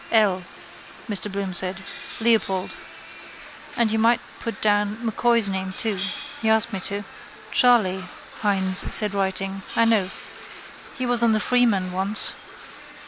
—L, Mr Bloom said. Leopold. And you might put down M'Coy's name too. He asked me to. —Charley, Hynes said writing. I know. He was on the Freeman once.